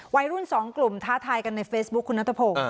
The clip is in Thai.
วัยรุ่นสองกลุ่มท้าทายกันในเฟซบุ๊คคุณนัทพงศ์